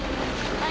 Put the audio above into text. はい。